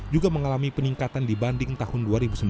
juga mengalami peningkatan dibanding tahun dua ribu sembilan belas